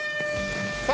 さあ